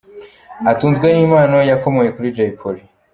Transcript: Atunzwe n’impano yakomoye kuri Jay Polly.